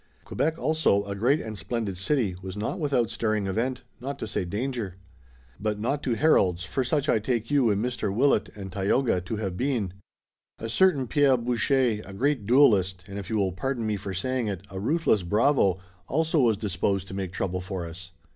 Quebec also, a great and splendid city, was not without stirring event, not to say danger." "But not to heralds, for such I take you and Mr. Willet and Tayoga to have been." "A certain Pierre Boucher, a great duelist, and if you will pardon me for saying it, a ruthless bravo, also was disposed to make trouble for us."